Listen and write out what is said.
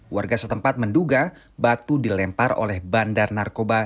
warga setempat menduga batu dilempar oleh bandar narkoba